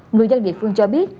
người dân địa phương cho biết